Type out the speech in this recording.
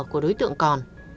của đối tượng còn